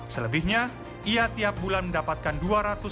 selebihnya ia tiap bulan mendapatkan dua ratus